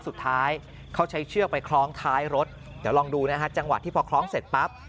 เดี๋ยวลองดูนะฮะจังหวะที่พอคล้องเสร็จปั๊บ